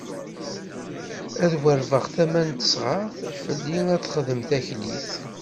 Ad warbeɣ tama n tesɣart, fell-i ad texdem taklit.